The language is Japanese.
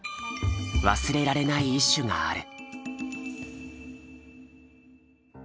忘れられない一首がある。